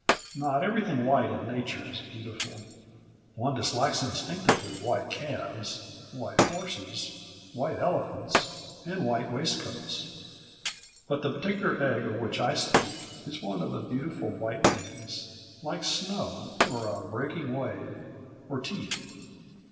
Not everything white in Nature is beautiful. One dislikes instinctively white calves, white horses, white elephants and white waistcoats. But the particular egg of which I speak is one of the beautiful white things like snow, or a breaking wave, or teeth.